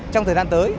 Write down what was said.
trong thời gian tới